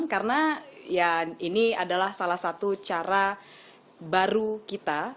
karena ini adalah salah satu cara baru kita